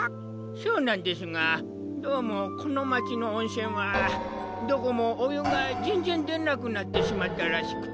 そうなんですがどうもこのまちのおんせんはどこもおゆがぜんぜんでなくなってしまったらしくて。